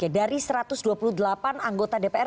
dari satu ratus dua puluh delapan anggota dpr